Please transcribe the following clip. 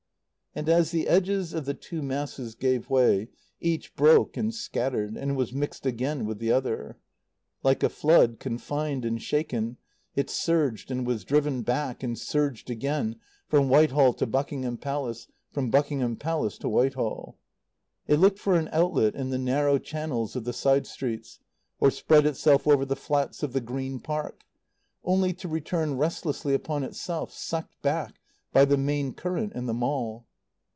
And as the edges of the two masses gave way, each broke and scattered, and was mixed again with the other. Like a flood, confined and shaken, it surged and was driven back and surged again from Whitehall to Buckingham Palace, from Buckingham Palace to Whitehall. It looked for an outlet in the narrow channels of the side streets, or spread itself over the flats of the Green Park, only to return restlessly upon itself, sucked back by the main current in the Mall.